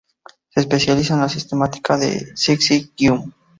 Se especializa en la sistemática de "Syzygium".